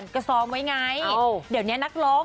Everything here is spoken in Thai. ก็ซ้อมไว้ไงเดี๋ยวนี้นักร้อง